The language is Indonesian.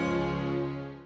jangan pak regar